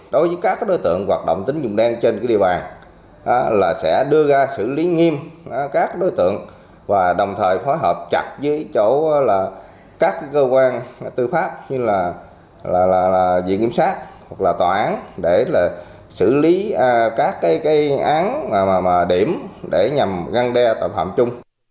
tính dụng đen trên địa bàn sẽ đưa ra xử lý nghiêm các đối tượng và đồng thời khóa hợp chặt với các cơ quan tư pháp như diện kiểm sát hoặc tòa án để xử lý các án điểm để nhằm găng đe tội phạm chung